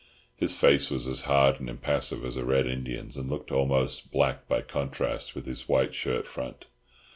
His face was as hard and impassive as a Red Indian's, and looked almost black by contrast with his white shirt front.